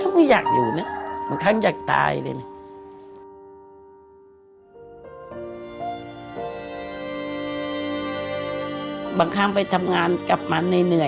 ไม่อยากอยู่นะบางครั้งอยากตายเลย